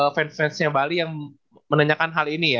fans fansnya bali yang menanyakan hal ini ya